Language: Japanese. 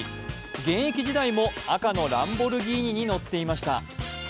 現役時代も赤のランボルギーニに乗っていました。